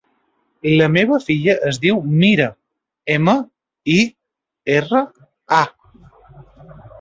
La meva filla es diu Mira: ema, i, erra, a.